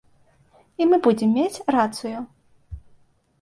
І мы будзем мець рацыю.